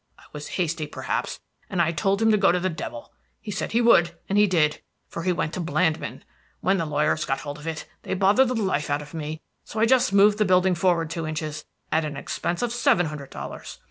I was hasty, perhaps, and I told him to go to the devil. He said he would, and he did; for he went to Blandmann. When the lawyers got hold of it, they bothered the life out of me; so I just moved the building forward two inches, at an expense of seven hundred dollars.